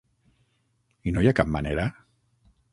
I no hi ha cap manera?